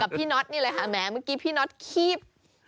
พี่น็อตนี่แหละค่ะแม้เมื่อกี้พี่น็อตคีบ